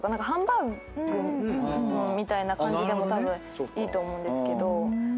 ハンバーグみたいな感じでもたぶんいいと思うんですけど。